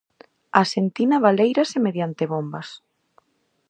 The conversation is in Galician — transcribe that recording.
A sentina baléirase mediante bombas.